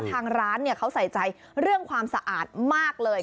ทางร้านเขาใส่ใจเรื่องความสะอาดมากเลย